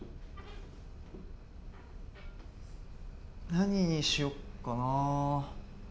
何にしよっかな。